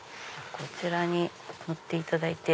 こちらに乗っていただいて。